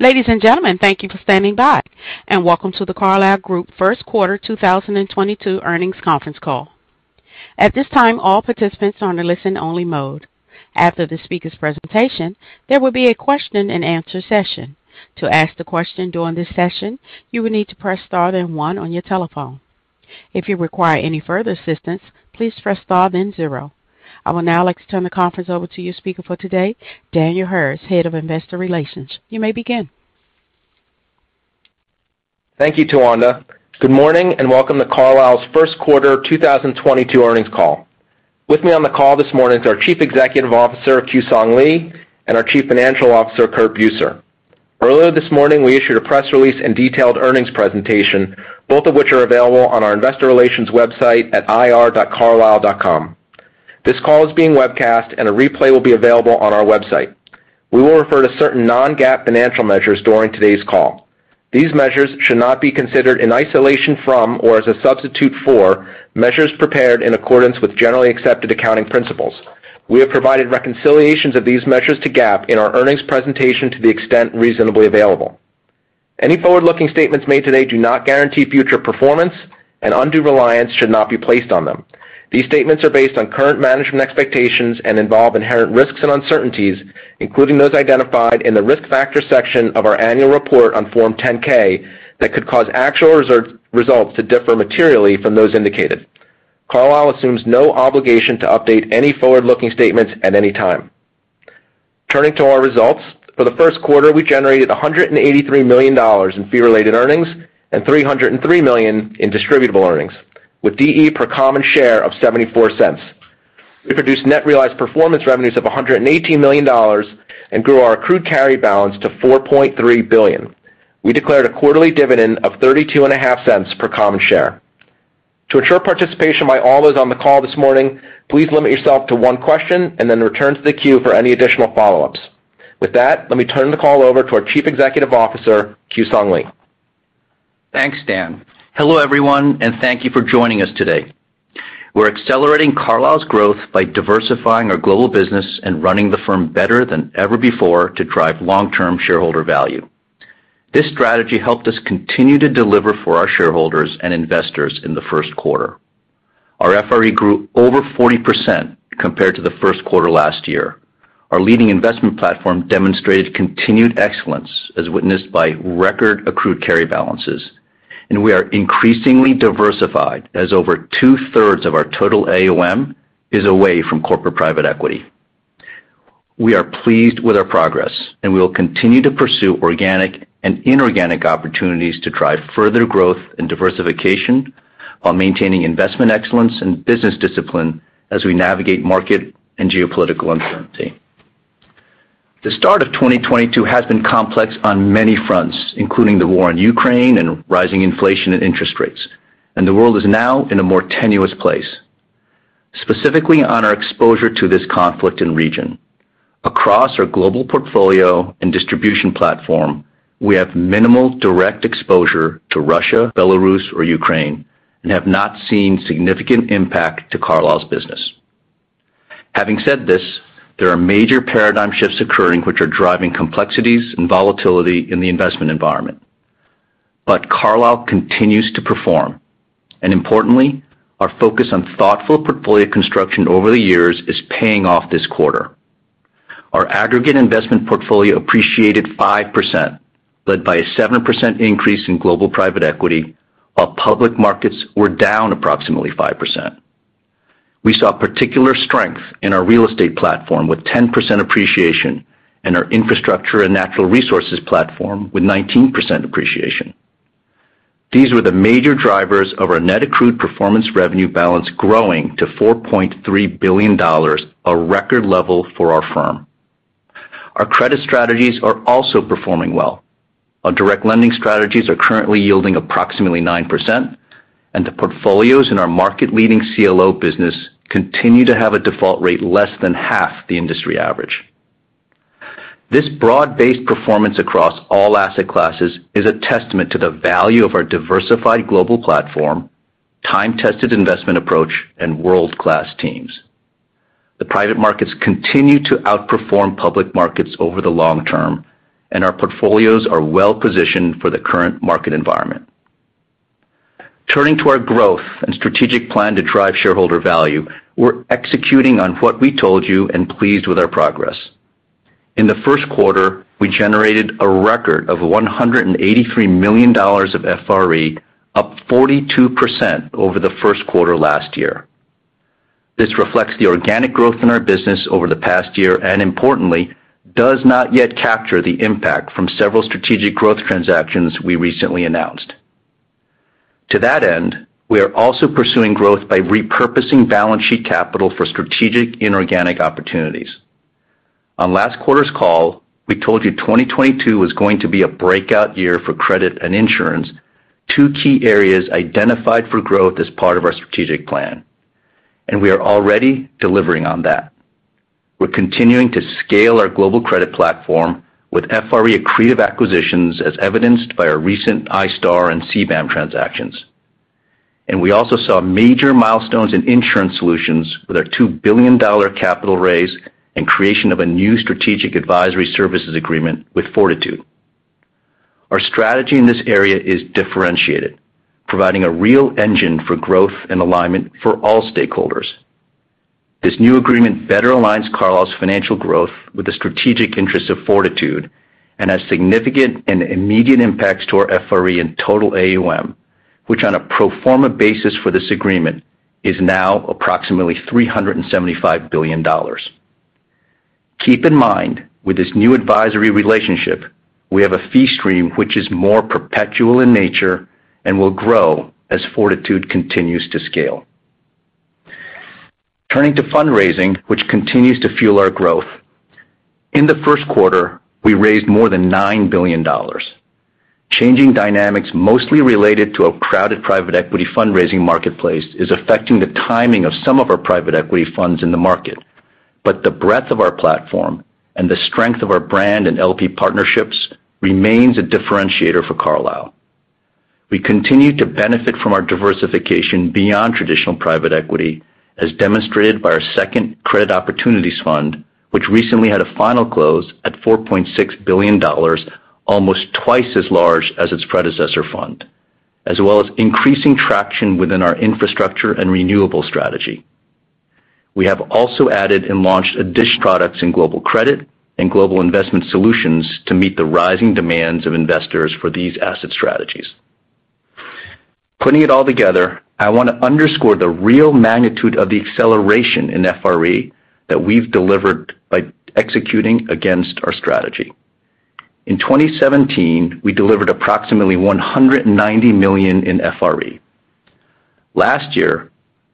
Ladies and gentlemen, thank you for standing by, and welcome to The Carlyle Group First Quarter 2022 Earnings Conference Call. At this time, all participants are in a listen-only mode. After the speaker's presentation, there will be a question and answer session. To ask the question during this session, you will need to press Star then one on your telephone. If you require any further assistance, please press Star then zero. I would now like to turn the conference over to your speaker for today, Daniel Harris, Head of Investor Relations. You may begin. Thank you, Tuwanda. Good morning and welcome to Carlyle's first quarter 2022 earnings call. With me on the call this morning is our Chief Executive Officer, Kewsong Lee, and our Chief Financial Officer, Curt Buser. Earlier this morning, we issued a press release and detailed earnings presentation, both of which are available on our investor relations website at ir.carlyle.com. This call is being webcast, and a replay will be available on our website. We will refer to certain non-GAAP financial measures during today's call. These measures should not be considered in isolation from or as a substitute for measures prepared in accordance with generally accepted accounting principles. We have provided reconciliations of these measures to GAAP in our earnings presentation to the extent reasonably available. Any forward-looking statements made today do not guarantee future performance, and undue reliance should not be placed on them. These statements are based on current management expectations and involve inherent risks and uncertainties, including those identified in the Risk Factors section of our annual report on Form 10-K that could cause actual results to differ materially from those indicated. Carlyle assumes no obligation to update any forward-looking statements at any time. Turning to our results. For the first quarter, we generated $183 million in fee-related earnings and $303 million in distributable earnings, with DE per common share of $0.74. We produced net realized performance revenues of $118 million and grew our accrued carry balance to $4.3 billion. We declared a quarterly dividend of $0.325 per common share. To ensure participation by all those on the call this morning, please limit yourself to one question and then return to the queue for any additional follow-ups. With that, let me turn the call over to our Chief Executive Officer, Kewsong Lee. Thanks, Dan. Hello, everyone, and thank you for joining us today. We're accelerating Carlyle's growth by diversifying our global business and running the firm better than ever before to drive long-term shareholder value. This strategy helped us continue to deliver for our shareholders and investors in the first quarter. Our FRE grew over 40% compared to the first quarter last year. Our leading investment platform demonstrated continued excellence, as witnessed by record accrued carry balances, and we are increasingly diversified as over 2/3 of our total AUM is away from corporate private equity. We are pleased with our progress, and we will continue to pursue organic and inorganic opportunities to drive further growth and diversification while maintaining investment excellence and business discipline as we navigate market and geopolitical uncertainty. The start of 2022 has been complex on many fronts, including the war in Ukraine and rising inflation and interest rates, and the world is now in a more tenuous place. Specifically on our exposure to this conflict and region. Across our global portfolio and distribution platform, we have minimal direct exposure to Russia, Belarus or Ukraine and have not seen significant impact to Carlyle's business. Having said this, there are major paradigm shifts occurring which are driving complexities and volatility in the investment environment. Carlyle continues to perform, and importantly, our focus on thoughtful portfolio construction over the years is paying off this quarter. Our aggregate investment portfolio appreciated 5%, led by a 7% increase in global private equity, while public markets were down approximately 5%. We saw particular strength in our real estate platform with 10% appreciation and our infrastructure and natural resources platform with 19% appreciation. These were the major drivers of our net accrued performance revenue balance growing to $4.3 billion, a record level for our firm. Our credit strategies are also performing well. Our direct lending strategies are currently yielding approximately 9%, and the portfolios in our market-leading CLO business continue to have a default rate less than half the industry average. This broad-based performance across all asset classes is a testament to the value of our diversified global platform, time-tested investment approach, and world-class teams. The private markets continue to outperform public markets over the long term, and our portfolios are well positioned for the current market environment. Turning to our growth and strategic plan to drive shareholder value, we're executing on what we told you and pleased with our progress. In the first quarter, we generated a record of $183 million of FRE, up 42% over the first quarter last year. This reflects the organic growth in our business over the past year and importantly, does not yet capture the impact from several strategic growth transactions we recently announced. To that end, we are also pursuing growth by repurposing balance sheet capital for strategic inorganic opportunities. On last quarter's call, we told you 2022 was going to be a breakout year for credit and insurance, two key areas identified for growth as part of our strategic plan. We are already delivering on that. We're continuing to scale our global credit platform with FRE accretive acquisitions, as evidenced by our recent iStar and CBAM transactions. We also saw major milestones in insurance solutions with our $2 billion capital raise and creation of a new strategic advisory services agreement with Fortitude Re. Our strategy in this area is differentiated, providing a real engine for growth and alignment for all stakeholders. This new agreement better aligns Carlyle's financial growth with the strategic interests of Fortutitude RE and has significant and immediate impacts to our FRE and total AUM, which on a pro forma basis for this agreement is now approximately $375 billion. Keep in mind, with this new advisory relationship, we have a fee stream which is more perpetual in nature and will grow as Fortutitude RE continues to scale. Turning to fundraising, which continues to fuel our growth. In the first quarter, we raised more than $9 billion. Changing dynamics, mostly related to a crowded private equity fundraising marketplace, is affecting the timing of some of our private equity funds in the market. The breadth of our platform and the strength of our brand and LP partnerships remains a differentiator for Carlyle. We continue to benefit from our diversification beyond traditional private equity, as demonstrated by our second credit opportunities fund, which recently had a final close at $4.6 billion, almost twice as large as its predecessor fund, as well as increasing traction within our infrastructure and renewable strategy. We have also added and launched additional products in global credit and global investment solutions to meet the rising demands of investors for these asset strategies. Putting it all together, I want to underscore the real magnitude of the acceleration in FRE that we've delivered by executing against our strategy. In 2017, we delivered approximately $190 million in FRE. Last year,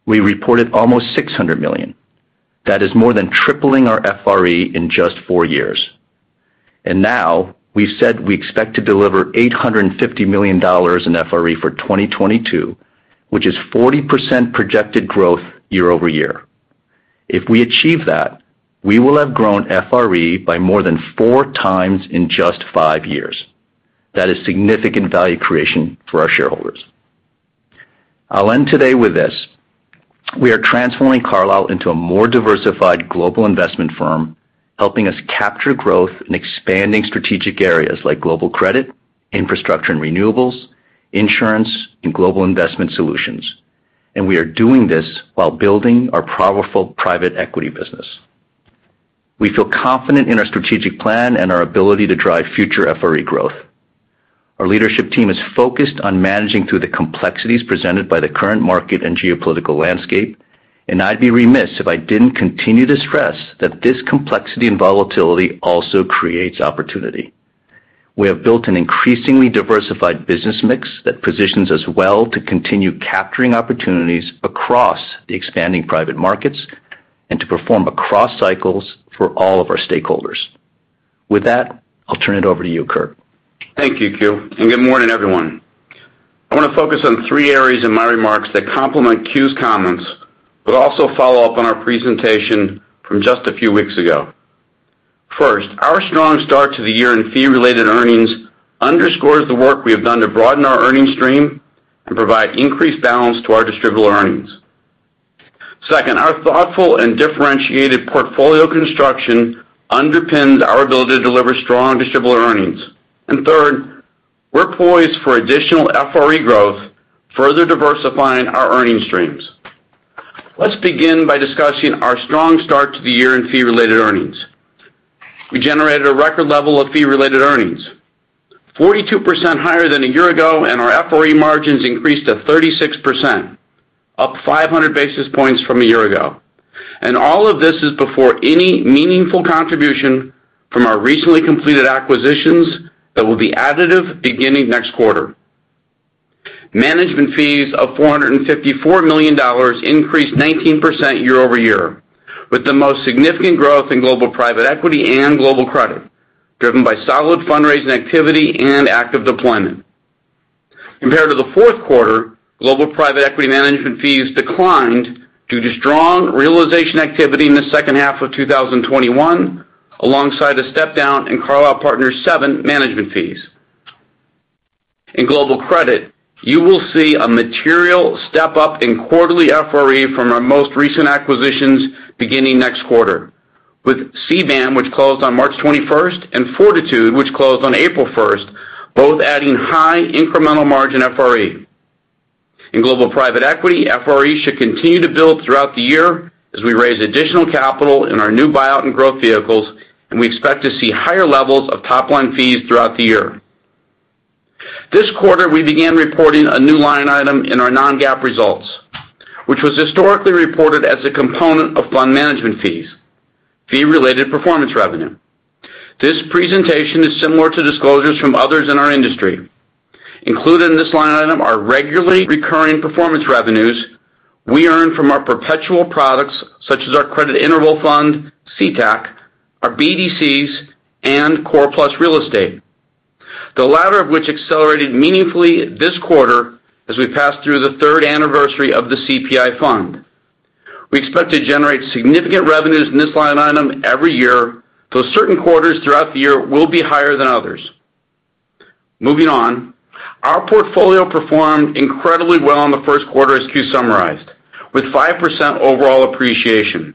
we reported almost $600 million. That is more than tripling our FRE in just four years. Now we've said we expect to deliver $850 million in FRE for 2022, which is 40% projected growth year-over-year. If we achieve that, we will have grown FRE by more than four times in just five years. That is significant value creation for our shareholders. I'll end today with this. We are transforming Carlyle into a more diversified global investment firm, helping us capture growth in expanding strategic areas like global credit, infrastructure and renewables, insurance, and global investment solutions. We are doing this while building our powerful private equity business. We feel confident in our strategic plan and our ability to drive future FRE growth. Our leadership team is focused on managing through the complexities presented by the current market and geopolitical landscape, and I'd be remiss if I didn't continue to stress that this complexity and volatility also creates opportunity. We have built an increasingly diversified business mix that positions us well to continue capturing opportunities across the expanding private markets and to perform across cycles for all of our stakeholders. With that, I'll turn it over to you, Curt. Thank you, Kew, and good morning, everyone. I want to focus on three areas in my remarks that complement Kew's comments, but also follow up on our presentation from just a few weeks ago. First, our strong start to the year in fee-related earnings underscores the work we have done to broaden our earnings stream and provide increased balance to our distributable earnings. Second, our thoughtful and differentiated portfolio construction underpins our ability to deliver strong distributable earnings. Third, we're poised for additional FRE growth, further diversifying our earnings streams. Let's begin by discussing our strong start to the year in fee-related earnings. We generated a record level of fee-related earnings 42% higher than a year ago, and our FRE margins increased to 36%, up 500 basis points from a year ago. All of this is before any meaningful contribution from our recently completed acquisitions that will be additive beginning next quarter. Management fees of $454 million increased 19% year-over-year, with the most significant growth in global private equity and global credit, driven by solid fundraising activity and active deployment. Compared to the Q4, global private equity management fees declined due to strong realization activity in the second half of 2021, alongside a step-down in Carlyle Partners VII management fees. In global credit, you will see a material step-up in quarterly FRE from our most recent acquisitions beginning next quarter, with CBAM, which closed on March 21st, and Fortutitude RE, which closed on April 1st, both adding high incremental margin FRE. In global private equity, FRE should continue to build throughout the year as we raise additional capital in our new buyout and growth vehicles, and we expect to see higher levels of top-line fees throughout the year. This quarter, we began reporting a new line item in our non-GAAP results, which was historically reported as a component of fund management fees, fee-related performance revenue. This presentation is similar to disclosures from others in our industry. Included in this line item are regularly recurring performance revenues we earn from our perpetual products, such as our credit interval fund, CTAC, our BDCs, and Core Plus Real Estate, the latter of which accelerated meaningfully this quarter as we passed through the third anniversary of the CPI Fund. We expect to generate significant revenues in this line item every year, though certain quarters throughout the year will be higher than others. Moving on. Our portfolio performed incredibly well in the first quarter, as Q summarized, with 5% overall appreciation.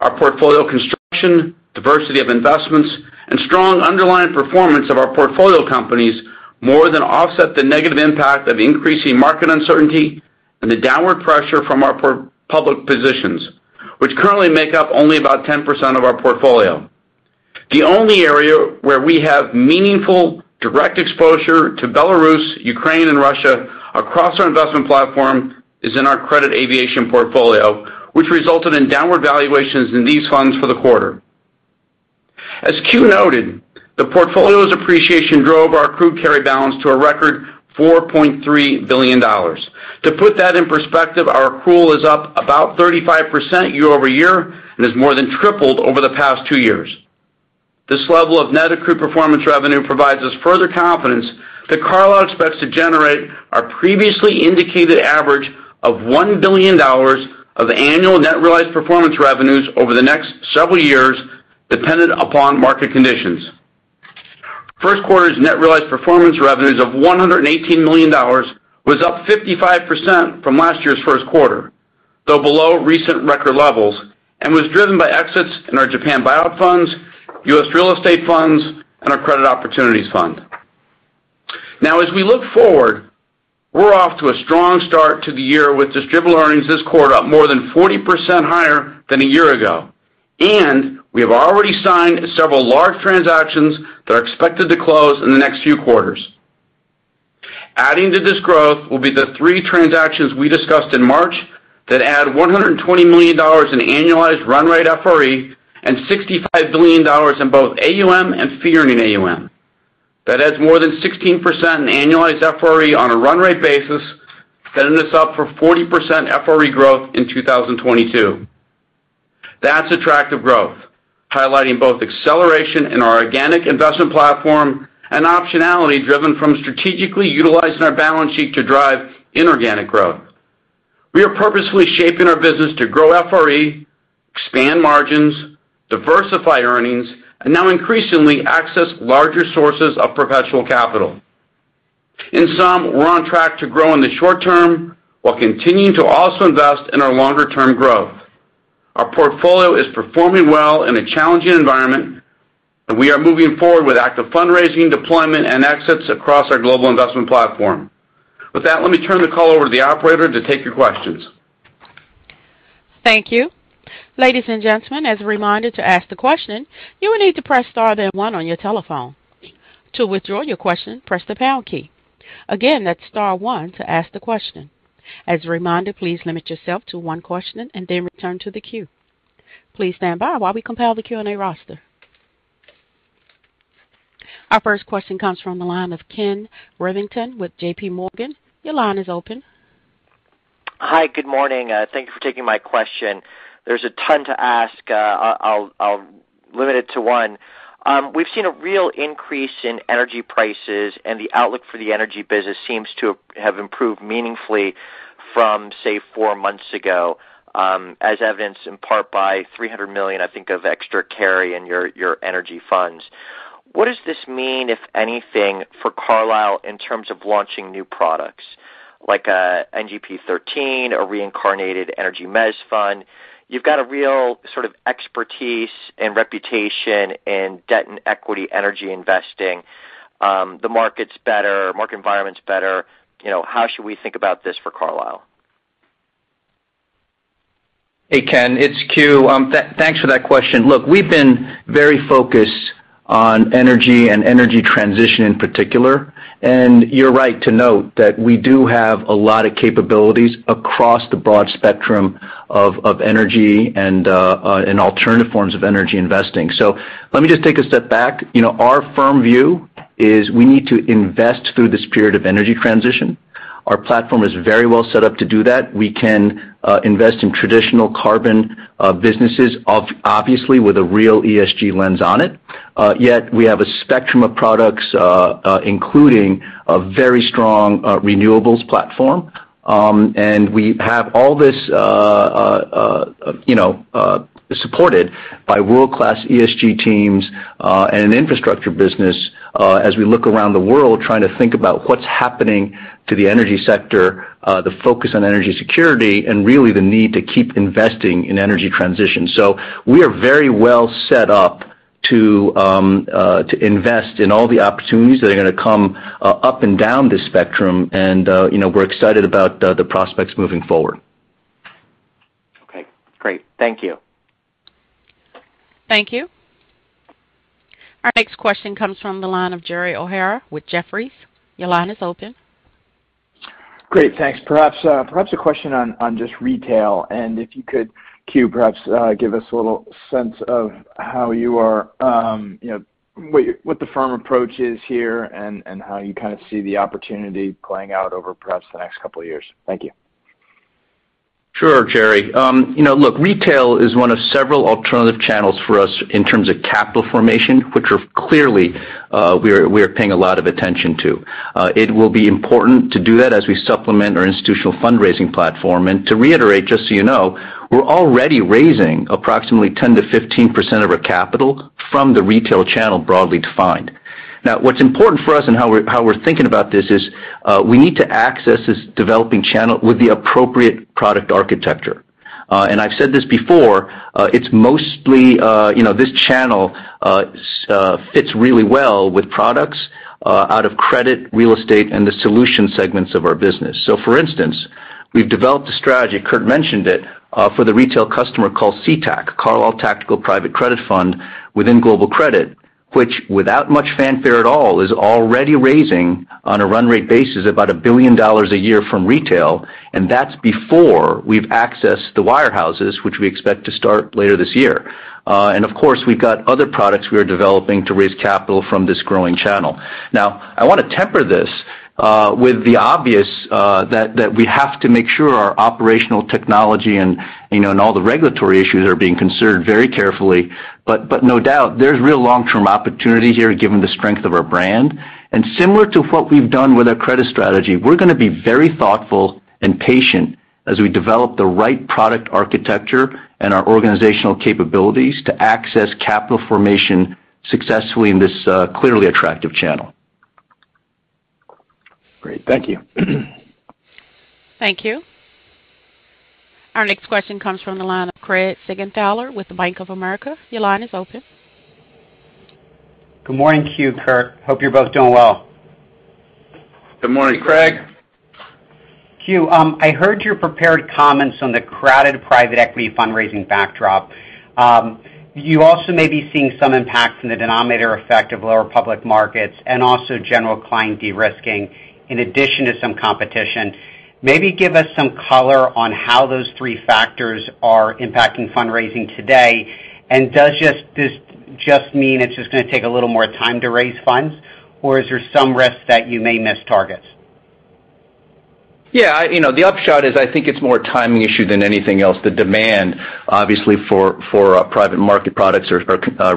Our portfolio construction, diversity of investments, and strong underlying performance of our portfolio companies more than offset the negative impact of increasing market uncertainty and the downward pressure from our public positions, which currently make up only about 10% of our portfolio. The only area where we have meaningful direct exposure to Belarus, Ukraine, and Russia across our investment platform is in our credit aviation portfolio, which resulted in downward valuations in these funds for the quarter. As Q noted, the portfolio's appreciation drove our accrued carry balance to a record $4.3 billion. To put that in perspective, our accrual is up about 35% year-over-year and has more than tripled over the past two years. This level of net accrued performance revenue provides us further confidence that Carlyle expects to generate our previously indicated average of $1 billion of annual net realized performance revenues over the next several years, dependent upon market conditions. First quarter's net realized performance revenues of $118 million was up 55% from last year's first quarter, though below recent record levels, and was driven by exits in our Japan buyout funds, U.S. real estate funds, and our credit opportunities fund. Now, as we look forward, we're off to a strong start to the year with distributable earnings this quarter up more than 40% higher than a year ago. We have already signed several large transactions that are expected to close in the next few quarters. Adding to this growth will be the three transactions we discussed in March that add $120 million in annualized run rate FRE and $65 billion in both AUM and fee earning AUM. That adds more than 16% in annualized FRE on a run rate basis, setting us up for 40% FRE growth in 2022. That's attractive growth, highlighting both acceleration in our organic investment platform and optionality driven from strategically utilizing our balance sheet to drive inorganic growth. We are purposefully shaping our business to grow FRE, expand margins, diversify earnings, and now increasingly access larger sources of professional capital. In sum, we're on track to grow in the short term while continuing to also invest in our longer-term growth. Our portfolio is performing well in a challenging environment, and we are moving forward with active fundraising, deployment, and exits across our global investment platform. With that, let me turn the call over to the operator to take your questions. Thank you. Ladies and gentlemen, as a reminder, to ask the question, you will need to press star then one on your telephone. To withdraw your question, press the pound key. Again, that's Star one to ask the question. As a reminder, please limit yourself to one question and then return to the queue. Please stand by while we compile the Q&A roster. Our first question comes from the line of Ken Worthington with JPMorgan. Your line is open. Hi, good morning. Thank you for taking my question. There's a ton to ask. I'll limit it to one. We've seen a real increase in energy prices, and the outlook for the energy business seems to have improved meaningfully from, say, four months ago, as evidenced in part by $300 million, I think, of extra carry in your energy funds. What does this mean, if anything, for Carlyle in terms of launching new products like a NGP XIII or reincarnated energy mezz fund? You've got a real sort of expertise and reputation in debt and equity energy investing. The market's better, market environment's better. You know, how should we think about this for Carlyle? Hey, Ken, it's Kew. Thanks for that question. Look, we've been very focused on energy and energy transition in particular, and you're right to note that we do have a lot of capabilities across the broad spectrum of energy and alternative forms of energy investing. Let me just take a step back. You know, our firm view is we need to invest through this period of energy transition. Our platform is very well set up to do that. We can invest in traditional carbon businesses obviously with a real ESG lens on it. Yet we have a spectrum of products including a very strong renewables platform. We have all this, you know, supported by world-class ESG teams, and an infrastructure business, as we look around the world trying to think about what's happening to the energy sector, the focus on energy security, and really the need to keep investing in energy transition. We are very well set up to invest in all the opportunities that are gonna come up and down this spectrum, and you know, we're excited about the prospects moving forward. Okay, great. Thank you. Thank you. Our next question comes from the line of Gerald O'Hara with Jefferies. Your line is open. Great. Thanks. Perhaps a question on just retail, and if you could, Kew, perhaps give us a little sense of how you are, you know, what the firm approach is here and how you kinda see the opportunity playing out over perhaps the next couple of years. Thank you. Sure, Jerry. You know, look, retail is one of several alternative channels for us in terms of capital formation, which we are clearly paying a lot of attention to. It will be important to do that as we supplement our institutional fundraising platform. To reiterate, just so you know, we're already raising approximately 10%-15% of our capital from the retail channel, broadly defined. Now, what's important for us and how we're thinking about this is, we need to access this developing channel with the appropriate product architecture. I've said this before, it's mostly, you know, this channel fits really well with products out of credit, real estate, and the solution segments of our business. For instance, we've developed a strategy, Curt mentioned it, for the retail customer called CTAC, Carlyle Tactical Private Credit Fund within Global Credit, which, without much fanfare at all, is already raising on a run rate basis about $1 billion a year from retail, and that's before we've accessed the wirehouses, which we expect to start later this year. And of course, we've got other products we are developing to raise capital from this growing channel. Now, I wanna temper this with the obvious, that we have to make sure our operational technology and, you know, and all the regulatory issues are being considered very carefully. No doubt, there's real long-term opportunity here given the strength of our brand. Similar to what we've done with our credit strategy, we're gonna be very thoughtful and patient as we develop the right product architecture and our organizational capabilities to access capital formation successfully in this clearly attractive channel. Great. Thank you. Thank you. Our next question comes from the line of Craig Siegenthaler with Bank of America. Your line is open. Good morning, Kew, Kurt. Hope you're both doing well. Good morning, Craig. Kewsong Lee, I heard your prepared comments on the crowded private equity fundraising backdrop. You also may be seeing some impact from the denominator effect of lower public markets and also general client de-risking, in addition to some competition. Maybe give us some color on how those three factors are impacting fundraising today, and does this just mean it's gonna take a little more time to raise funds, or is there some risk that you may miss targets? Yeah. You know, the upshot is I think it's more timing issue than anything else. The demand, obviously for private market products is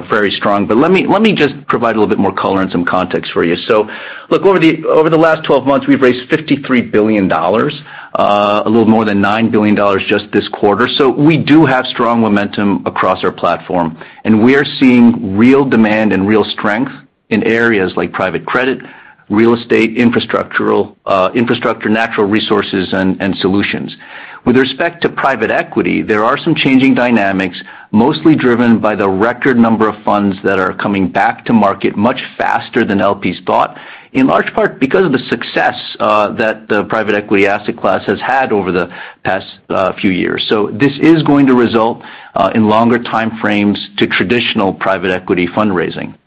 very strong. Let me just provide a little bit more color and some context for you. Look, over the last 12 months, we've raised $53 billion, a little more than $9 billion just this quarter. We do have strong momentum across our platform, and we are seeing real demand and real strength in areas like private credit, real estate, infrastructure, natural resources and solutions. With respect to private equity, there are some changing dynamics, mostly driven by the record number of funds that are coming back to market much faster than LPs thought, in large part because of the success that the private equity asset class has had over the past few years. This is going to result in longer time frames to traditional private equity fundraising.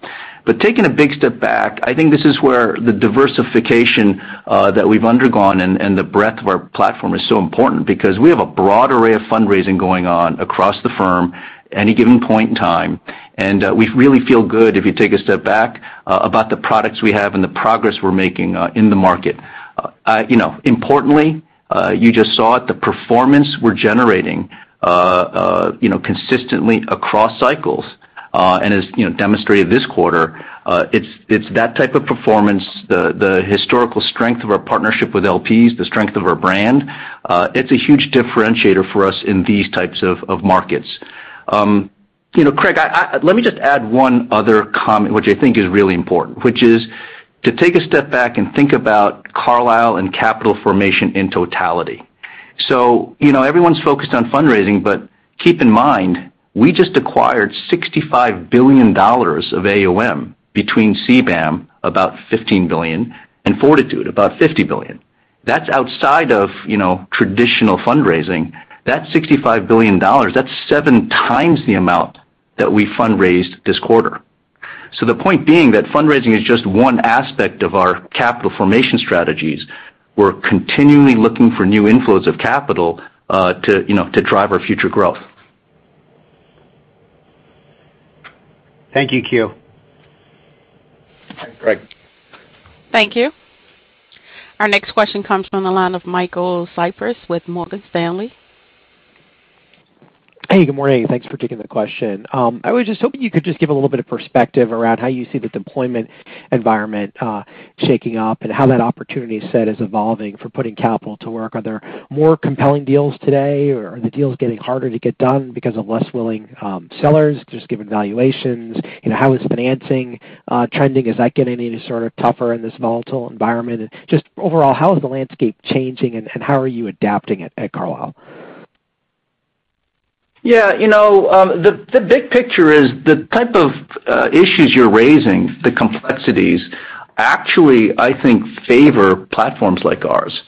Taking a big step back, I think this is where the diversification that we've undergone and the breadth of our platform is so important because we have a broad array of fundraising going on across the firm any given point in time. We really feel good if you take a step back about the products we have and the progress we're making in the market. You know, importantly, you just saw it, the performance we're generating, you know, consistently across cycles, and as you know, demonstrated this quarter, it's that type of performance, the historical strength of our partnership with LPs, the strength of our brand, it's a huge differentiator for us in these types of markets. You know, Craig, let me just add one other comment, which I think is really important, which is to take a step back and think about Carlyle and capital formation in totality. You know, everyone's focused on fundraising, but keep in mind, we just acquired $65 billion of AUM between CBAM, about $15 billion, and Fortutitude RE Re, about $50 billion. That's outside of, you know, traditional fundraising. That $65 billion, that's seven times the amount that we fundraised this quarter. The point being that fundraising is just one aspect of our capital formation strategies. We're continually looking for new inflows of capital, you know, to drive our future growth. Thank you, Kew. Thanks, Craig. Thank you. Our next question comes from the line of Michael Cyprys with Morgan Stanley. Hey, good morning. Thanks for taking the question. I was just hoping you could just give a little bit of perspective around how you see the deployment environment shaking up and how that opportunity set is evolving for putting capital to work. Are there more compelling deals today, or are the deals getting harder to get done because of less willing sellers just given valuations? You know, how is financing trending? Is that getting any sort of tougher in this volatile environment? Just overall, how is the landscape changing and how are you adapting at Carlyle? Yeah. You know, the big picture is the type of issues you're raising, the complexities, actually, I think favor platforms like ours.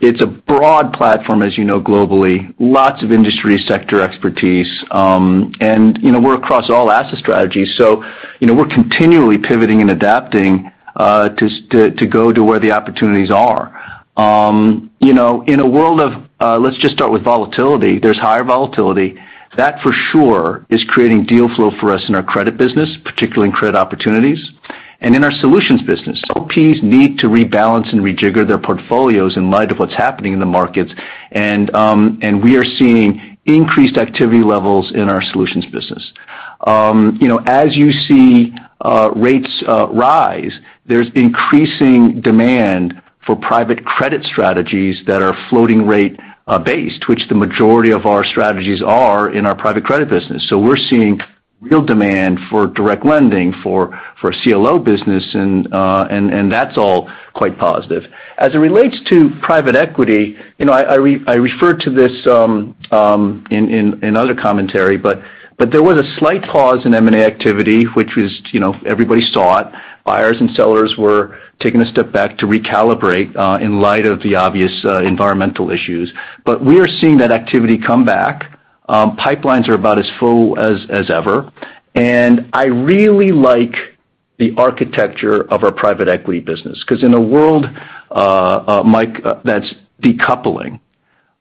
It's a broad platform, as you know, globally. Lots of industry sector expertise. You know, we're across all asset strategies, so, you know, we're continually pivoting and adapting to go to where the opportunities are. You know, in a world of, let's just start with volatility. There's higher volatility. That for sure is creating deal flow for us in our credit business, particularly in credit opportunities. In our solutions business, LPs need to rebalance and rejigger their portfolios in light of what's happening in the markets. We are seeing increased activity levels in our solutions business. You know, as you see, rates rise, there's increasing demand for private credit strategies that are floating rate based, which the majority of our strategies are in our private credit business. So we're seeing real demand for direct lending for CLO business, and that's all quite positive. As it relates to private equity, you know, I referred to this in other commentary, but there was a slight pause in M&A activity, which was, you know, everybody saw it. Buyers and sellers were taking a step back to recalibrate in light of the obvious environmental issues. We are seeing that activity come back. Pipelines are about as full as ever. I really like the architecture of our private equity business because in a world, Mike, that's decoupling,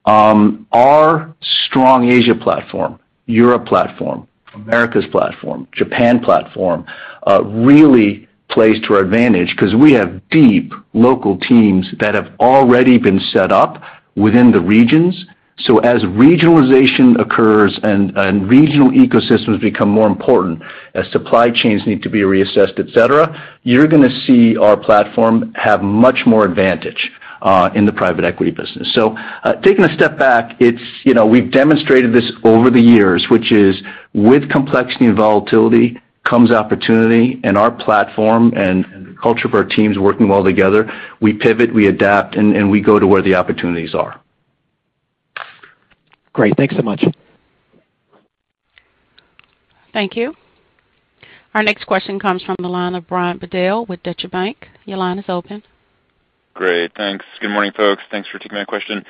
our strong Asia platform, Europe platform, Americas platform, Japan platform, really plays to our advantage because we have deep local teams that have already been set up within the regions. As regionalization occurs and regional ecosystems become more important, as supply chains need to be reassessed, et cetera, you're gonna see our platform have much more advantage in the private equity business. Taking a step back, it's, you know, we've demonstrated this over the years, which is with complexity and volatility comes opportunity, and our platform and the culture of our teams working well together, we pivot, we adapt, and we go to where the opportunities are. Great. Thanks so much. Thank you. Our next question comes from the line of Brian Bedell with Deutsche Bank. Your line is open. Great. Thanks. Good morning, folks. Thanks for taking my question.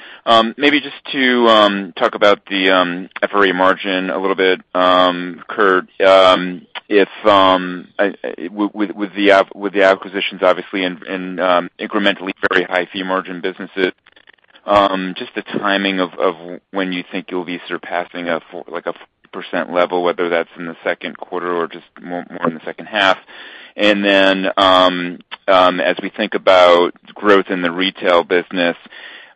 Maybe just to talk about the FRE margin a little bit, Curt. With the acquisitions obviously and incrementally very high fee margin businesses, just the timing of when you think you'll be surpassing a 40% level, whether that's in the second quarter or just more in the second half. As we think about growth in the retail business,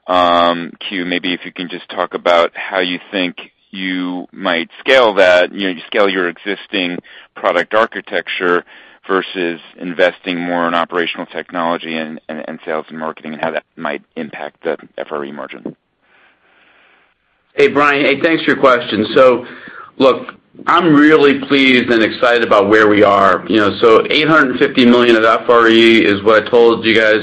Kewsong, maybe if you can just talk about how you think you might scale that, you know, scale your existing product architecture versus investing more in operational technology and sales and marketing and how that might impact the FRE margin. Hey, Brian. Hey, thanks for your question. Look, I'm really pleased and excited about where we are. You know, eight hundred and fifty million of FRE is what I told you guys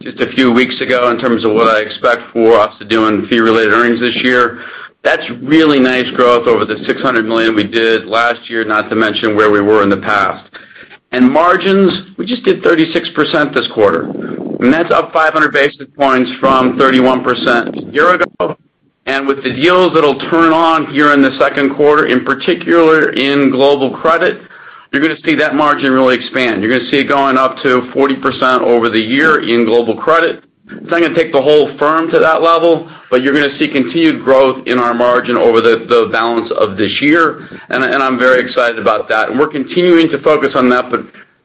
just a few weeks ago in terms of what I expect for us to do in fee-related earnings this year. That's really nice growth over the six hundred million we did last year, not to mention where we were in the past. Margins, we just did 36% this quarter, and that's up 500 basis points from 31% a year ago. With the deals that'll turn on here in the second quarter, in particular in global credit, you're gonna see that margin really expand. You're gonna see it going up to 40% over the year in global credit. It's not gonna take the whole firm to that level, but you're gonna see continued growth in our margin over the balance of this year. I'm very excited about that. We're continuing to focus on that.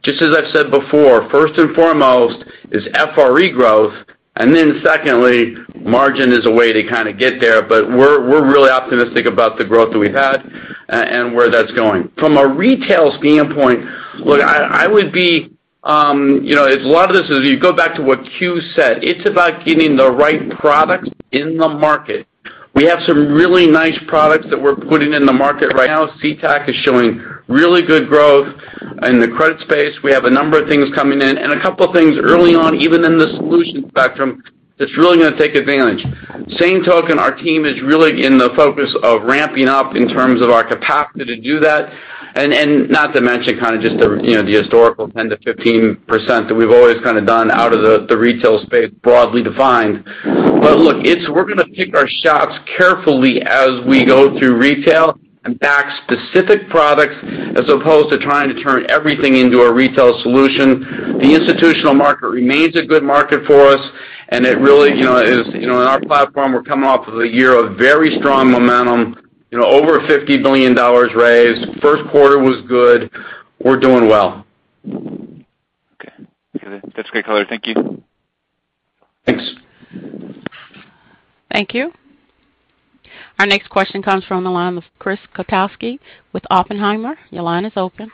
Just as I've said before, first and foremost is FRE growth, and then secondly, margin is a way to kind of get there. We're really optimistic about the growth that we've had and where that's going. From a retail standpoint, look, I would say, you know, a lot of this is you go back to what Kew said, it's about getting the right product in the market. We have some really nice products that we're putting in the market right now. CTAC is showing really good growth. In the credit space, we have a number of things coming in. A couple of things early on, even in the solutions spectrum, that's really gonna take advantage. By the same token, our team is really focused on ramping up in terms of our capacity to do that. Not to mention kind of just the, you know, the historical 10%-15% that we've always kind of done out of the retail space broadly defined. Look, it's we're gonna pick our shots carefully as we go through retail and back specific products as opposed to trying to turn everything into a retail solution. The institutional market remains a good market for us, and it really, you know, is, you know, in our platform, we're coming off of a year of very strong momentum, you know, over $50 billion raised. First quarter was good. We're doing well. Okay. That's great color. Thank you. Thanks. Thank you. Our next question comes from the line of Chris Kotowski with Oppenheimer. Your line is open.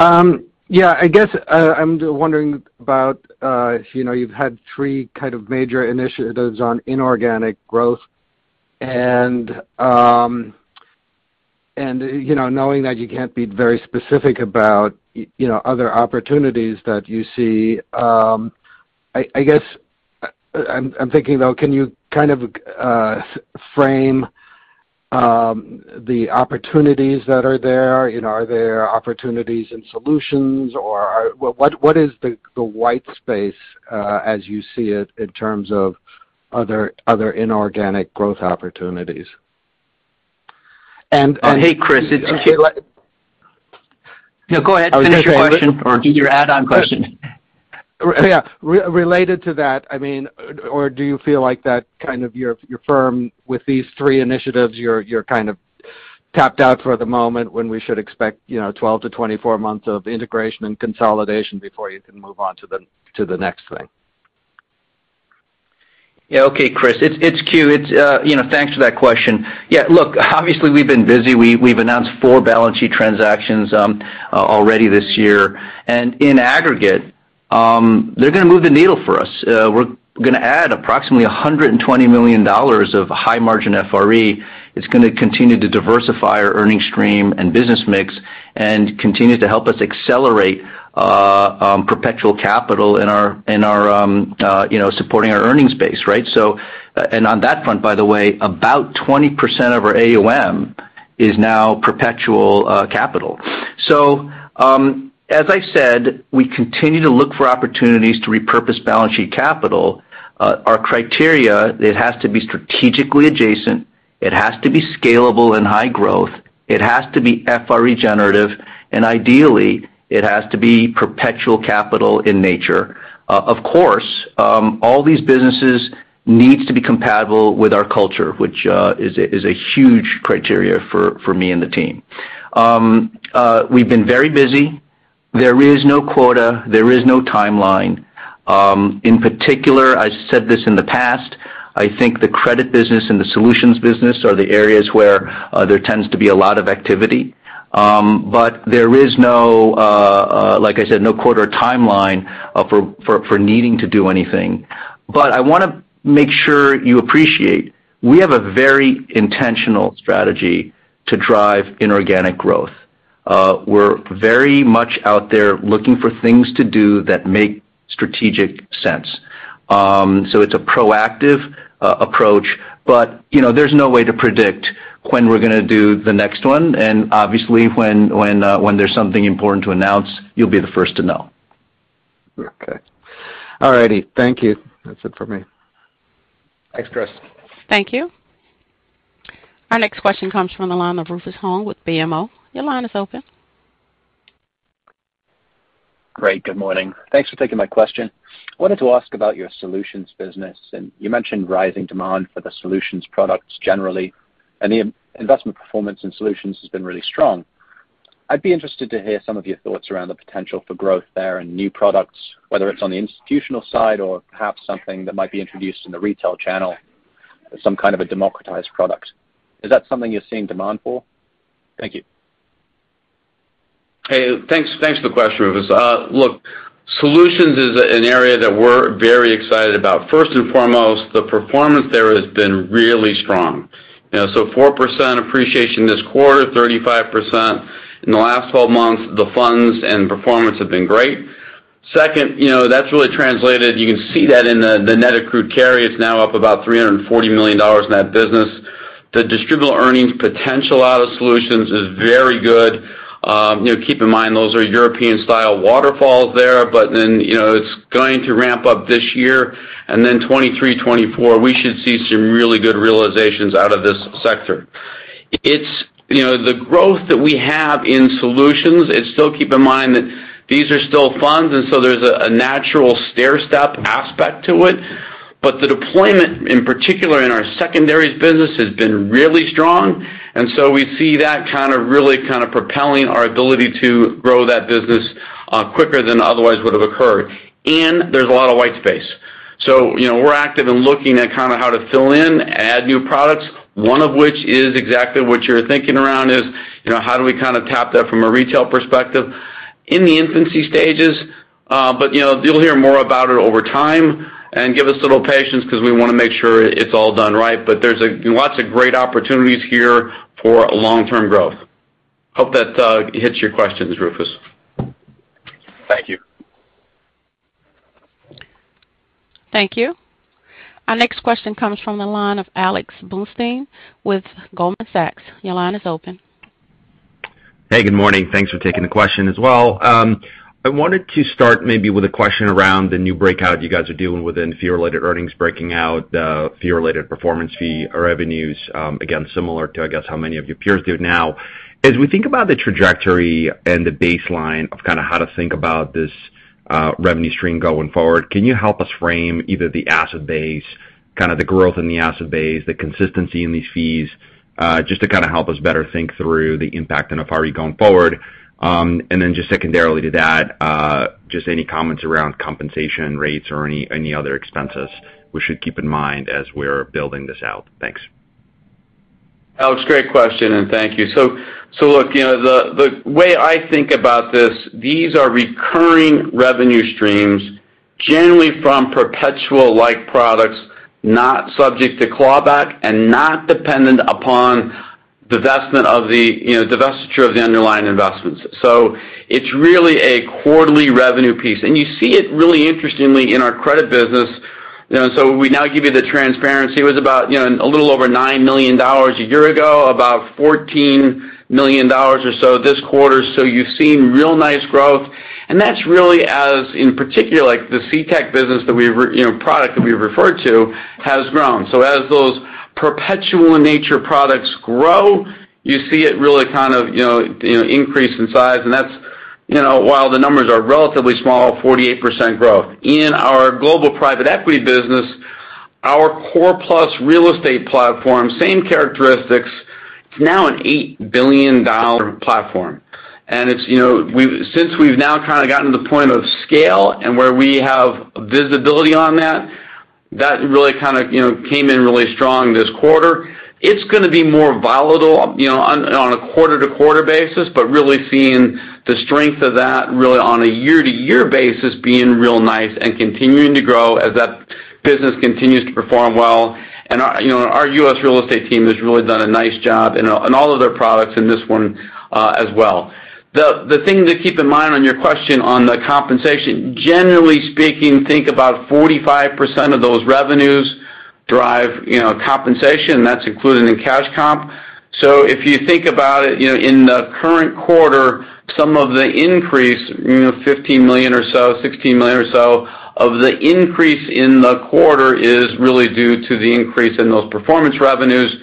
Yeah. I guess I'm wondering about, you know, you've had three kind of major initiatives on inorganic growth and, you know, knowing that you can't be very specific about, you know, other opportunities that you see, I guess I'm thinking though, can you kind of frame the opportunities that are there? You know, are there opportunities in solutions? What is the white space as you see it in terms of other inorganic growth opportunities? [And, and-] [Hey, Chris, if you'd like.] No, go ahead.[ Finish your question or your add-on question]. Related to that, I mean, or do you feel like that kind of your firm with these three initiatives, you're kind of tapped out for the moment when we should expect, you know, 12months-24 months of integration and consolidation before you can move on to the next thing? Yeah. Okay, Chris, it's Kew. You know, thanks for that question. Yeah, look, obviously we've been busy. We've announced 4 balance sheet transactions already this year. In aggregate, they're gonna move the needle for us. We're gonna add approximately $120 million of high margin FRE. It's gonna continue to diversify our earning stream and business mix and continue to help us accelerate perpetual capital in our you know, supporting our earnings base, right? On that front, by the way, about 20% of our AUM is now perpetual capital. As I said, we continue to look for opportunities to repurpose balance sheet capital. Our criteria, it has to be strategically adjacent, it has to be scalable and high growth, it has to be FRE generative, and ideally, it has to be perpetual capital in nature. Of course, all these businesses needs to be compatible with our culture, which is a huge criteria for me and the team. We've been very busy. There is no quota. There is no timeline. In particular, I said this in the past, I think the credit business and the solutions business are the areas where there tends to be a lot of activity. There is no, like I said, no quarter timeline for needing to do anything. I wanna make sure you appreciate, we have a very intentional strategy to drive inorganic growth. We're very much out there looking for things to do that make strategic sense. It's a proactive approach, but you know, there's no way to predict when we're gonna do the next one. Obviously, when there's something important to announce, you'll be the first to know. Okay. All righty. Thank you. That's it for me. Thanks, Chris. Thank you. Our next question comes from the line of Rufus Hone with BMO. Your line is open. Great. Good morning. Thanks for taking my question. I wanted to ask about your solutions business. You mentioned rising demand for the solutions products generally, and the investment performance in solutions has been really strong. I'd be interested to hear some of your thoughts around the potential for growth there and new products, whether it's on the institutional side or perhaps something that might be introduced in the retail channel, some kind of a democratized product. Is that something you're seeing demand for? Thank you. Hey, thanks. Thanks for the question, Rufus. Look, Solutions is an area that we're very excited about. First and foremost, the performance there has been really strong. You know, so 4% appreciation this quarter, 35% in the last twelve months. The funds and performance have been great. Second, you know, that's really translated. You can see that in the net accrued carry. It's now up about $340 million in that business. The distributable earnings potential out of Solutions is very good. You know, keep in mind, those are European-style waterfalls there, but then, you know, it's going to ramp up this year. 2023, 2024, we should see some really good realizations out of this sector. It's, you know, the growth that we have in solutions is. Still, keep in mind that these are still funds, and so there's a natural stairstep aspect to it. The deployment, in particular in our secondaries business, has been really strong. We see that kind of really kind of propelling our ability to grow that business quicker than otherwise would have occurred. There's a lot of white space. You know, we're active in looking at kind of how to fill in, add new products, one of which is exactly what you're thinking around is, you know, how do we kind of tap that from a retail perspective? In the infancy stages, but, you know, you'll hear more about it over time. Give us a little patience 'cause we wanna make sure it's all done right. There's lots of great opportunities here for long-term growth. Hope that hits your questions, Rufus. Thank you. Thank you. Our next question comes from the line of Alexander Blostein with Goldman Sachs. Your line is open. Hey, good morning. Thanks for taking the question as well. I wanted to start maybe with a question around the new breakout you guys are doing within fee-related earnings, breaking out fee-related performance revenues, again, similar to, I guess, how many of your peers do it now. As we think about the trajectory and the baseline of kind of how to think about this revenue stream going forward, can you help us frame either the asset base, kind of the growth in the asset base, the consistency in these fees, just to kind of help us better think through the impact on FRE going forward? And then just secondarily to that, just any comments around compensation rates or any other expenses we should keep in mind as we're building this out. Thanks. Alex, great question, and thank you. Look, you know, the way I think about this, these are recurring revenue streams generally from perpetual-like products, not subject to clawback and not dependent upon divestment of the, you know, divestiture of the underlying investments. It's really a quarterly revenue piece. You see it really interestingly in our credit business. You know, we now give you the transparency. It was about, you know, a little over $9 million a year ago, about $14 million or so this quarter. You've seen real nice growth. That's really as in particular, like, the CTAC business, you know, the product that we referred to has grown. As those perpetual in nature products grow. You see it really kind of, you know, increase in size, and that's, you know, while the numbers are relatively small, 48% growth. In our global private equity business, our Core Plus Real Estate platform, same characteristics. It's now an $8 billion platform. It's, you know, since we've now kind of gotten to the point of scale and where we have visibility on that really kind of, you know, came in really strong this quarter. It's gonna be more volatile, you know, on a quarter-to-quarter basis, but really seeing the strength of that really on a year-to-year basis being real nice and continuing to grow as that business continues to perform well. Our, you know, our U.S. real estate team has really done a nice job in all of their products and this one as well. The thing to keep in mind on your question on the compensation, generally speaking, think about 45% of those revenues drive, you know, compensation, and that's included in cash comp. If you think about it, you know, in the current quarter, some of the increase, you know, $15 million or so, $16 million or so, of the increase in the quarter is really due to the increase in those performance revenues.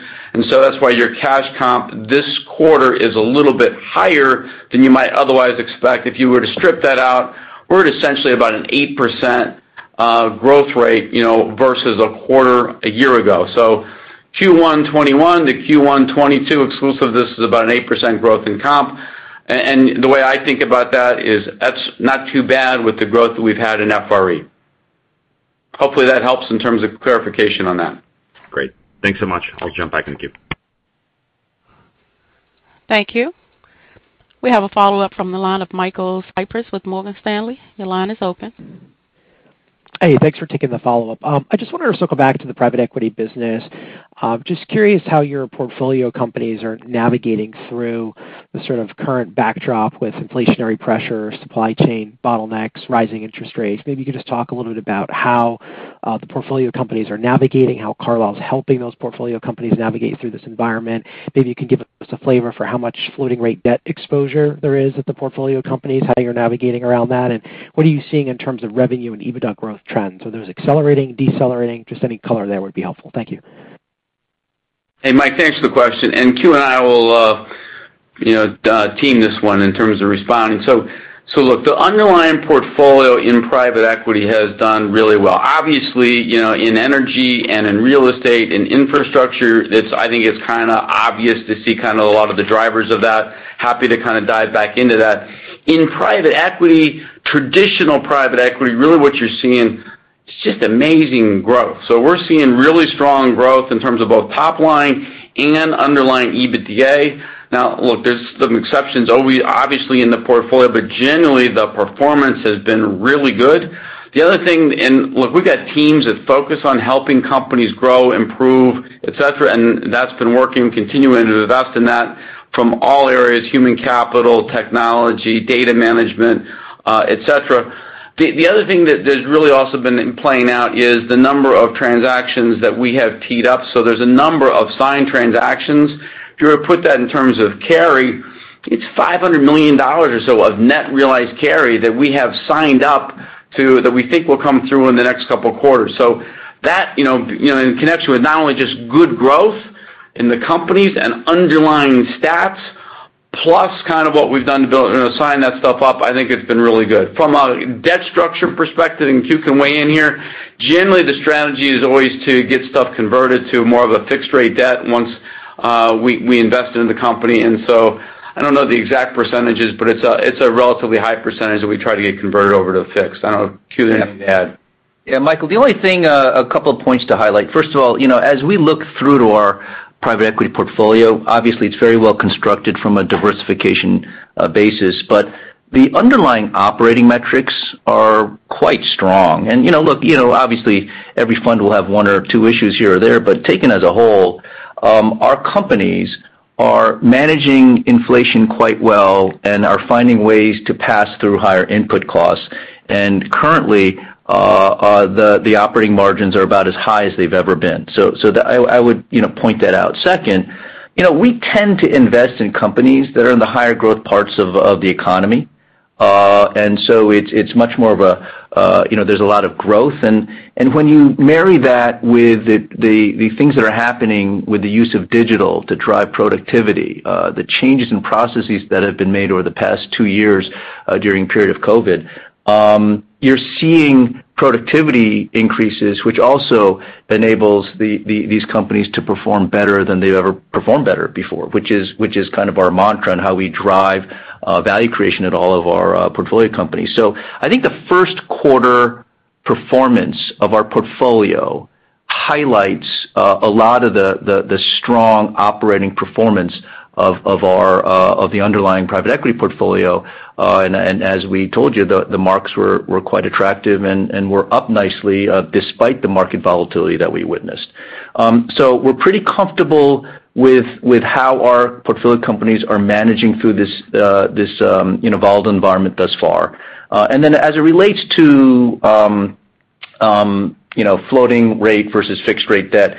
That's why your cash comp this quarter is a little bit higher than you might otherwise expect. If you were to strip that out, we're at essentially about an 8%, growth rate, you know, versus a quarter a year ago. Q1 2021 to Q1 2022, exclusive of this, is about an 8% growth in comp. The way I think about that is that's not too bad with the growth that we've had in FRE. Hopefully that helps in terms of clarification on that. Great. Thanks so much. I'll jump back in the queue. Thank you. We have a follow-up from the line of Michael Cyprys with Morgan Stanley. Your line is open. Hey, thanks for taking the follow-up. I just wanted to circle back to the private equity business. Just curious how your portfolio companies are navigating through the sort of current backdrop with inflationary pressure, supply chain bottlenecks, rising interest rates. Maybe you could just talk a little bit about how the portfolio companies are navigating, how Carlyle is helping those portfolio companies navigate through this environment. Maybe you can give us a flavor for how much floating rate debt exposure there is at the portfolio companies, how you're navigating around that, and what are you seeing in terms of revenue and EBITDA growth trends? Are those accelerating, decelerating? Just any color there would be helpful. Thank you. Hey, Mike. Thanks for the question. Kew and I will, you know, team this one in terms of responding. Look, the underlying portfolio in private equity has done really well. Obviously, you know, in energy and in real estate and infrastructure, it's, I think it's kinda obvious to see kinda a lot of the drivers of that. Happy to kinda dive back into that. In private equity, traditional private equity, really what you're seeing is just amazing growth. We're seeing really strong growth in terms of both top line and underlying EBITDA. Now, look, there's some exceptions obviously in the portfolio, but generally, the performance has been really good. The other thing in Look, we got teams that focus on helping companies grow, improve, et cetera, and that's been working, continuing to invest in that from all areas, human capital, technology, data management, et cetera. The other thing that has really also been playing out is the number of transactions that we have teed up. There's a number of signed transactions. If you were to put that in terms of carry, it's $500 million or so of net realized carry that we have signed up to, that we think will come through in the next couple of quarters. That, you know, in connection with not only just good growth in the companies and underlying stats, plus kind of what we've done to build, you know, sign that stuff up, I think it's been really good. From a debt structure perspective, and Kew can weigh in here, generally, the strategy is always to get stuff converted to more of a fixed rate debt once we invest in the company. I don't know the exact percentages, but it's a relatively high percentage that we try to get converted over to fixed. I don't know if Kew has anything to add. Yeah, Michael, the only thing, a couple of points to highlight. First of all, you know, as we look through to our private equity portfolio, obviously, it's very well constructed from a diversification basis. The underlying operating metrics are quite strong. You know, look, you know, obviously, every fund will have one or two issues here or there, but taken as a whole, our companies are managing inflation quite well and are finding ways to pass through higher input costs. Currently, the operating margins are about as high as they've ever been. So I would, you know, point that out. Second, you know, we tend to invest in companies that are in the higher growth parts of the economy. So it's much more of a. You know, there's a lot of growth. When you marry that with the things that are happening with the use of digital to drive productivity, the changes in processes that have been made over the past two years during the period of COVID, you're seeing productivity increases, which also enables these companies to perform better than they've ever performed before, which is kind of our mantra on how we drive value creation at all of our portfolio companies. I think the first quarter performance of our portfolio highlights a lot of the strong operating performance of our underlying private equity portfolio. As we told you, the marks were quite attractive and were up nicely despite the market volatility that we witnessed. We're pretty comfortable with how our portfolio companies are managing through this you know, volatile environment thus far. Then as it relates to you know, floating rate versus fixed rate debt,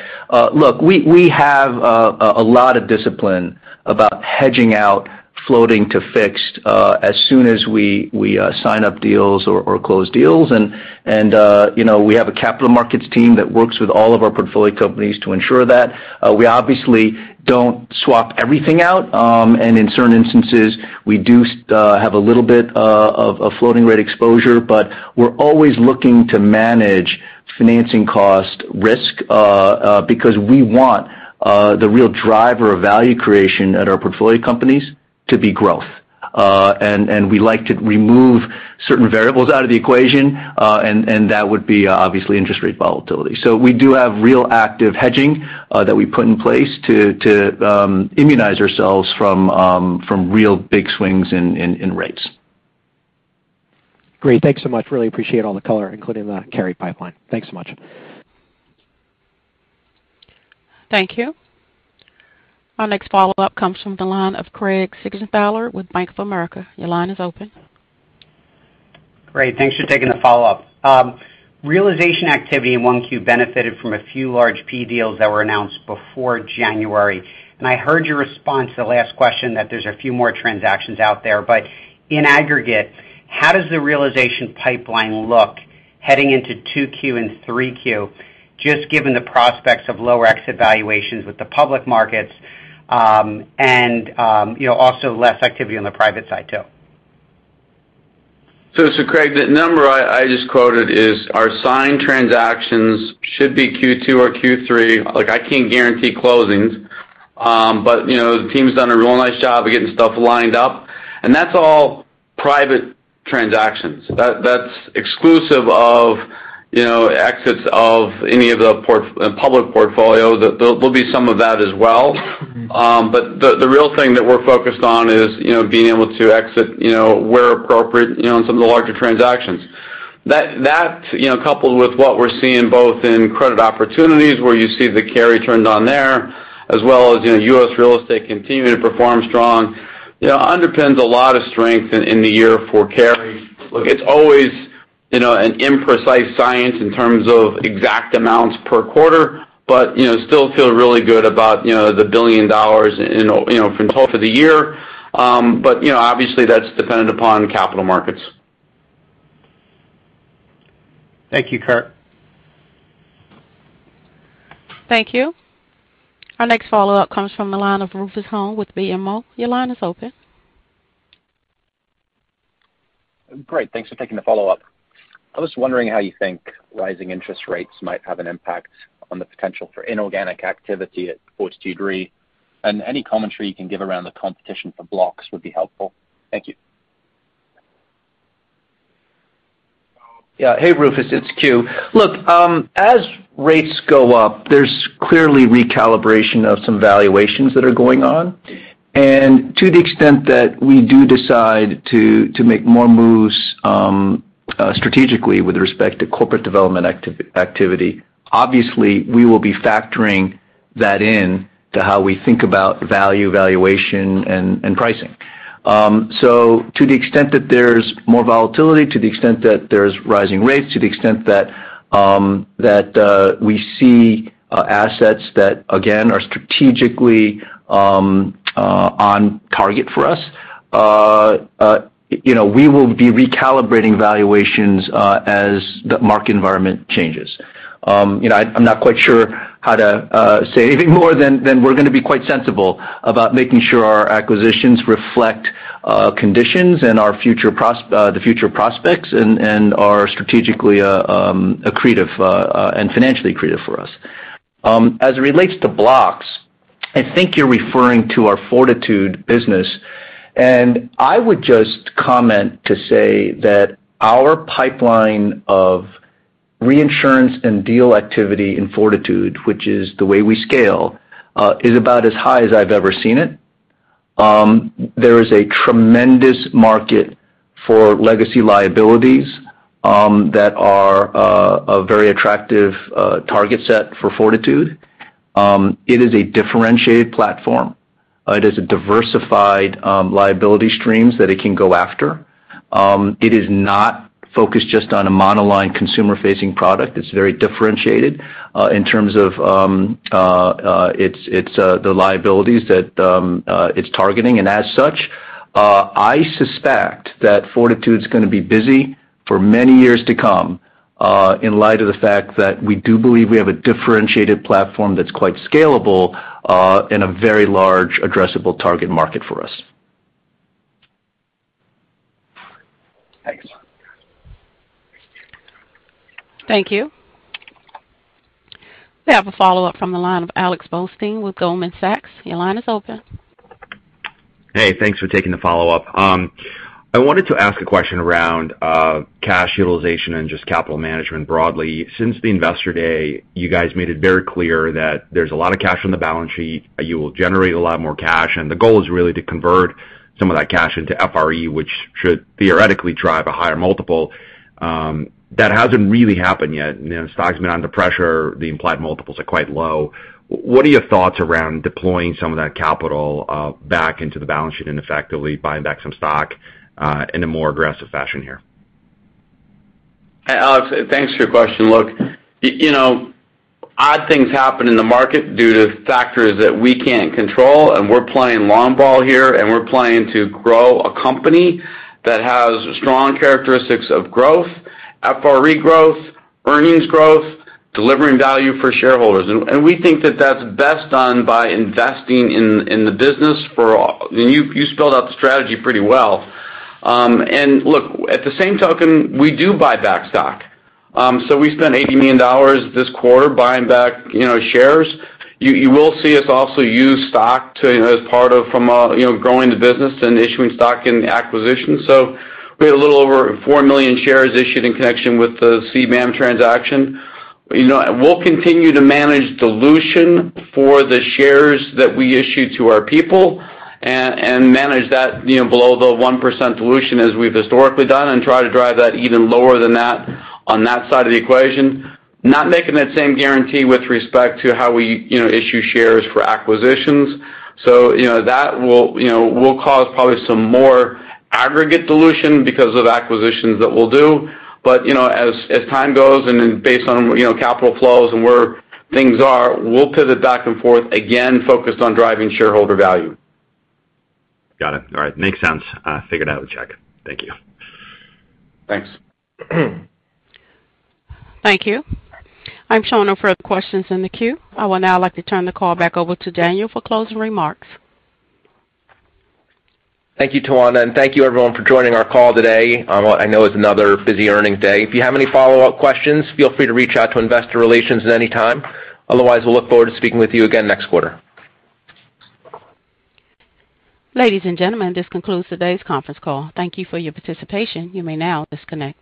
look, we have a lot of discipline about hedging out floating to fixed as soon as we sign up deals or close deals. You know, we have a capital markets team that works with all of our portfolio companies to ensure that. We obviously don't swap everything out, and in certain instances, we do have a little bit of a floating rate exposure. We're always looking to manage financing cost risk because we want the real driver of value creation at our portfolio companies to be growth. We like to remove certain variables out of the equation, and that would be obviously interest rate volatility. We do have real active hedging that we put in place to immunize ourselves from real big swings in rates. Great. Thanks so much. Really appreciate all the color, including the carry pipeline. Thanks so much. Thank you. Our next follow-up comes from the line of Craig Siegenthaler with Bank of America. Your line is open. Great. Thanks for taking the follow-up. Realization activity in 1Q benefited from a few large PE deals that were announced before January, and I heard your response to the last question that there's a few more transactions out there. But in aggregate, how does the realization pipeline look heading into 2Q and 3Q, just given the prospects of lower exit valuations with the public markets, you know, also less activity on the private side too? Craig, the number I just quoted is our signed transactions should be Q2 or Q3. Like, I can't guarantee closings. You know, the team's done a real nice job of getting stuff lined up, and that's all private transactions. That's exclusive of, you know, exits of any of the public portfolio. There'll be some of that as well. The real thing that we're focused on is, you know, being able to exit, you know, where appropriate, you know, in some of the larger transactions. That, you know, coupled with what we're seeing both in credit opportunities where you see the carry turned on there, as well as, you know, US real estate continuing to perform strong, you know, underpins a lot of strength in the year for carry. Look, it's always, you know, an imprecise science in terms of exact amounts per quarter, but, you know, still feel really good about, you know, the $1 billion in, you know, from total for the year. You know, obviously, that's dependent upon capital markets. Thank you, Curt. Thank you. Our next follow-up comes from the line of Rufus Hone with BMO. Your line is open. Great. Thanks for taking the follow-up. I was wondering how you think rising interest rates might have an impact on the potential for inorganic activity at Fortitude Re. Any commentary you can give around the competition for blocks would be helpful. Thank you. Yeah. Hey, Rufus, it's Kewsong Lee. Look, as rates go up, there's clearly recalibration of some valuations that are going on. To the extent that we do decide to make more moves strategically with respect to corporate development activity, obviously, we will be factoring that in to how we think about value, valuation, and pricing. To the extent that there's more volatility, to the extent that there's rising rates, to the extent that we see assets that, again, are strategically on target for us, you know, we will be recalibrating valuations as the market environment changes. You know, I'm not quite sure how to say anything more than we're gonna be quite sensible about making sure our acquisitions reflect conditions and our future prospects and are strategically accretive and financially accretive for us. As it relates to blocks, I think you're referring to our Fortitude business. I would just comment to say that our pipeline of reinsurance and deal activity in Fortitude, which is the way we scale, is about as high as I've ever seen it. There is a tremendous market for legacy liabilities that are a very attractive target set for Fortitude. It is a differentiated platform. It is a diversified liability streams that it can go after. It is not focused just on a monoline consumer-facing product. It's very differentiated in terms of the liabilities that it's targeting. I suspect that Fortutitude RE's gonna be busy for many years to come, in light of the fact that we do believe we have a differentiated platform that's quite scalable in a very large addressable target market for us. Thanks. Thank you. We have a follow-up from the line of Alex Blostein with Goldman Sachs. Your line is open. Hey, thanks for taking the follow-up. I wanted to ask a question around cash utilization and just capital management broadly. Since the Investor Day, you guys made it very clear that there's a lot of cash on the balance sheet, you will generate a lot more cash, and the goal is really to convert some of that cash into FRE, which should theoretically drive a higher multiple. That hasn't really happened yet, and then the stock's been under pressure. The implied multiples are quite low. What are your thoughts around deploying some of that capital back into the balance sheet and effectively buying back some stock in a more aggressive fashion here? Alex, thanks for your question. Look, you know, odd things happen in the market due to factors that we can't control, and we're playing long ball here, and we're playing to grow a company that has strong characteristics of growth, FRE growth, earnings growth, delivering value for shareholders. We think that that's best done by investing in the business. You spelled out the strategy pretty well. Look, on the same token, we do buy back stock. So we spent $80 million this quarter buying back, you know, shares. You will see us also use stock as part of growing the business and issuing stock in acquisition. We had a little over 4 million shares issued in connection with the CBAM transaction. You know, we'll continue to manage dilution for the shares that we issue to our people and manage that, you know, below the 1% dilution as we've historically done and try to drive that even lower than that on that side of the equation. Not making that same guarantee with respect to how we, you know, issue shares for acquisitions. You know, that will, you know, will cause probably some more aggregate dilution because of acquisitions that we'll do. You know, as time goes and then based on, you know, capital flows and where things are, we'll pivot back and forth, again, focused on driving shareholder value. Got it. All right. Makes sense. Figured I would check. Thank you. Thanks. Thank you. I'm showing no further questions in the queue. I would now like to turn the call back over to Daniel for closing remarks. Thank you, Tuwanda, and thank you everyone for joining our call today on what I know is another busy earnings day. If you have any follow-up questions, feel free to reach out to investor relations at any time. Otherwise, we'll look forward to speaking with you again next quarter. Ladies and gentlemen, this concludes today's conference call. Thank you for your participation. You may now disconnect.